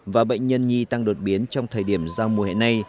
và bệnh nhân nhi tăng đột biến trong thời điểm giao mùa hẹn này